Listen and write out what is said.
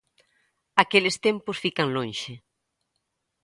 Aqueles tempos fican lonxe.